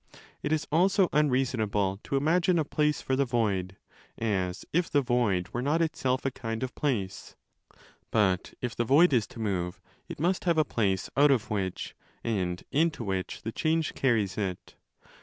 It is also unreasonable to imagine a place for the void, as if the void were not 25 itself a kind of place." But if the void is to move, it must have a place out of which and into which the change carries it.